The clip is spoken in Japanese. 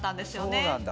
そうなんだ